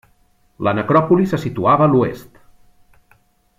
La necròpoli se situava a l'oest.